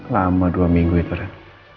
lama dua minggu itu red